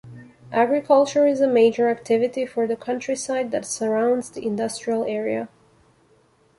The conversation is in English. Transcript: Agriculture is a major activity for the countryside that surrounds the industrial area.